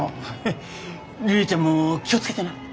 リリィちゃんも気を付けてな。